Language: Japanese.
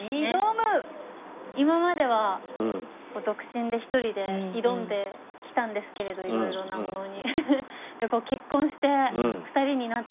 今までは独身で１人で挑んできたんですけれど色々なものに。